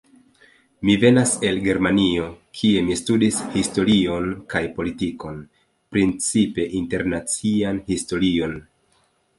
Mi venas el Germanio, kie mi studis historion kaj politikon, principe internacian historion.